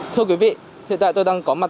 thưa quý vị hiện tại tôi đang có mặt